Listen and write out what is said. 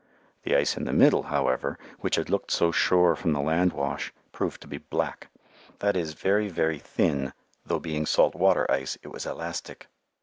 The ice in the middle, however, which had looked so sure from the landwash, proved to be "black" that is, very, very thin, though being salt water ice, it was elastic.